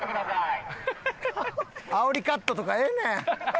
あおりカットとかええねん。